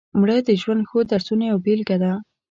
مړه د ژوند ښو درسونو یوه بېلګه وه